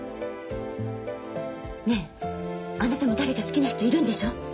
ねえあなたも誰か好きな人いるんでしょ？